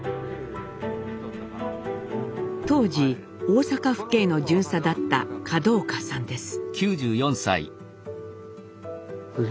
当時大阪府警の巡査だった門岡さんです。